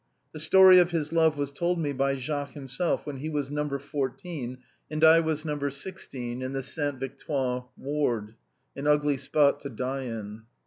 The story of his love was told me by Jacques himself when he was No. 14 and I was No. IG in the Sainte Victoire ward — an ugly spot to die in.